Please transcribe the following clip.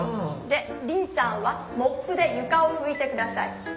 でリンさんは「モップ」でゆかをふいて下さい。